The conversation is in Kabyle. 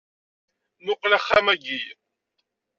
Muqel axxam-agi